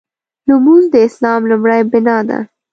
لمونځ د اسلام لومړۍ بناء ده.